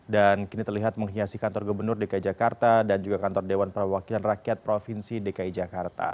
kini terlihat menghiasi kantor gubernur dki jakarta dan juga kantor dewan perwakilan rakyat provinsi dki jakarta